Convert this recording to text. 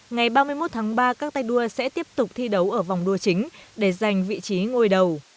ngày ba mươi một tháng ba các tay đua sẽ tiếp tục thi đấu ở vòng đua chính để giành vị trí ngôi đầu